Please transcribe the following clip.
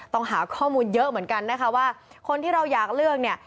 ต้องหาข้อมูลเยอะเหมือนกันนะคะว่าคนที่เราอยากเลือกเนี่ย